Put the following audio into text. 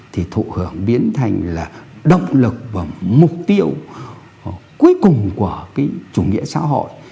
thì thụ hưởng biến thành là động lực và mục tiêu cuối cùng của cái chủ nghĩa xã hội